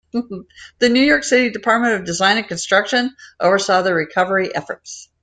The New York City Department of Design and Construction oversaw the recovery efforts.